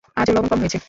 আজও লবণ কম হয়েছে।